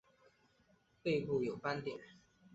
背部有斑点。